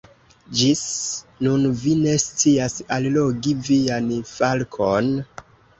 Ĝis nun vi ne scias allogi vian falkon?